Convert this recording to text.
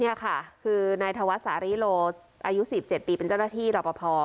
นี่ค่ะคือนายธวัฒนสาริโลอายุ๑๗ปีเป็นเจ้าหน้าที่รอปภ